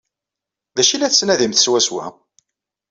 D acu ay la tettnadimt swaswa?